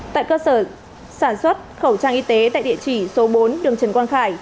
tại cơ sở sản xuất khẩu trang y tế tại địa chỉ số bốn đường trần quang khải